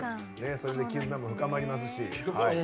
それで絆も深まりますし。